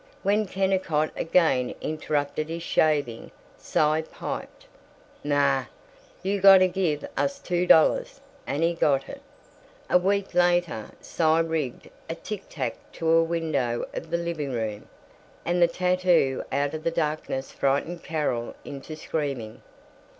When Kennicott again interrupted his shaving, Cy piped, "Naw, you got to give us two dollars," and he got it. A week later Cy rigged a tic tac to a window of the living room, and the tattoo out of the darkness frightened Carol into screaming.